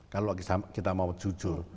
kalau kita mau jujur